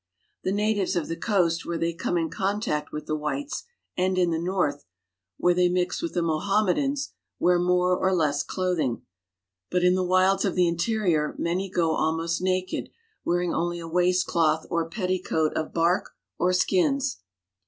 ^^^1 The natives of the coast, where they come in contact ^^^Ewitb the whites, and in the north, where they mix with the ^^^BMohammedans, wear more or less clothing ; but in the ^^^Wfrilds of the interior many go almost naked, wearing only ^^^[k waistcloth or petticoat of bark or skins.